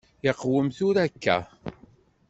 Iqwem tura akka?